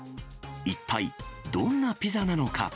一体どんなピザなのか。